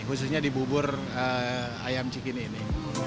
khususnya di bubur ayam cikini ini